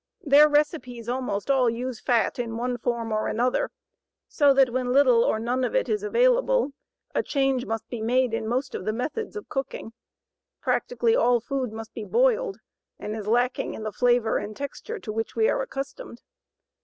Their recipes almost all use fat in one form or another, so that when little or none is available, a change must be made in most of the methods of cooking. Practically all food must be boiled, and is lacking in the flavor and texture to which we are accustomed.